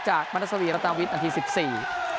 จากมรัฐสวีรตาวิทย์นาที๑๔